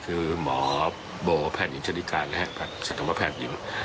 คือหมอโบแพทย์หญิงชนิการและสัตวแพทย์หญิง